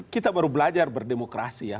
kita baru belajar berdemokrasi ya